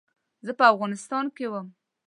زه په افغانستان کې وم.